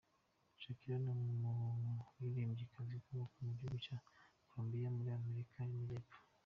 Shakira ni umuririmbyikazi ukomoka mu gihugu cya Colombiya muri Amerika y’amajyepfo.